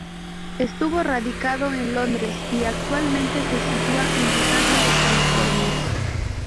Estuvo radicado en Londres y actualmente se sitúa en Los Ángeles, California.